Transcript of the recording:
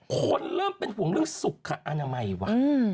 คนเริ่มเป็นห่วงเรื่องสุขอนามัยวะ